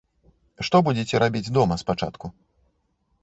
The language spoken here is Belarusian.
Што будзеце рабіць дома спачатку?